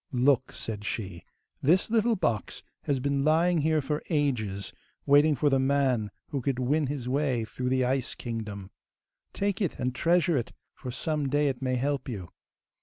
'Look!' said she; 'this little box has been lying here for ages, waiting for the man who could win his way through the Ice Kingdom. Take it, and treasure it, for some day it may help you.